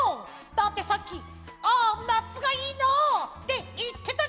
だってさっき「ああなつがいいなあ」っていってたじゃないか！